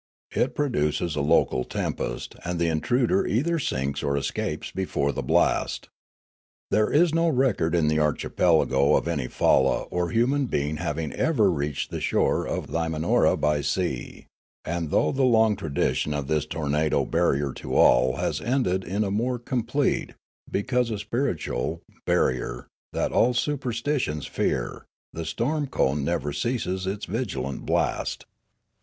It pro duces a local tempest, and the intruder either sinks or escapes before the blast. There is no record in the archipelago of any falla or human being having ever reached the shore of Limanora by sea ; and though the long tradition of this tornado barrier to all has ended in a more complete, because a spiritual, barrier, that of superstitious fear, the storm cone never ceases its vigilant blast.